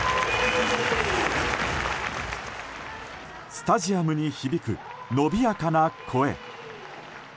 スタジアムに響くのびやかな声。